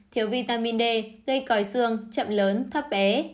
thiếu vitamin d gây còi xương chậm lớn thấp ế